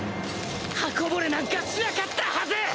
刃こぼれなんかしなかったはず！